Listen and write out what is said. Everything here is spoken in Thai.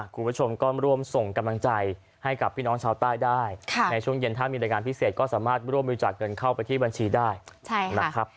ก็สามารถร่วมวิจัดเงินเข้าไปที่บัญชีได้น่ะครับ